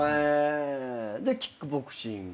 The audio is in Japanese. でキックボクシング。